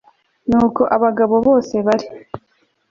nuko abagabo bose bari